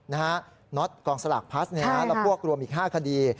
นะฮะน็อตกองสลักพลัสนะฮะแล้วพวกรวมอีก๕คดี